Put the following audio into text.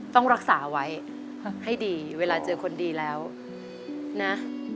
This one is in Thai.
ต้องรักษาไว้ให้ดีเวลาเจอคนดีแล้วนะ